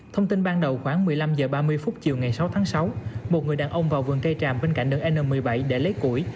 thông tin ban đầu khoảng một mươi năm h ba mươi phút chiều ngày sáu tháng sáu một người đàn ông vào vườn cây tràm bên cạnh đơn n một mươi bảy để lấy củi